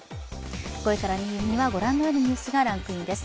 ５位から２位にはご覧のようなニュースがランクインです。